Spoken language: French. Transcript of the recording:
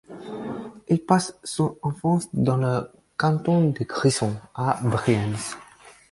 Il passe son enfance dans le canton des Grisons, à Brienz.